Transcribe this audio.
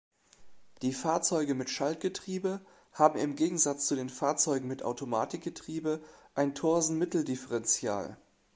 Die Fahrzeuge mit Schaltgetriebe haben im Gegensatz zu den Fahrzeugen mit Automatikgetriebe ein Torsen-Mitteldifferential.